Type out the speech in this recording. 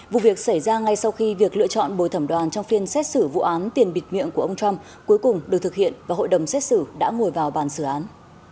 vụ việc xảy ra ngay sau khi việc lựa chọn bồi thẩm đoàn trong phiên xét xử vụ án tiền bịt miệng của ông trump cuối cùng được thực hiện và hội đồng xét xử đã ngồi vào bàn xử án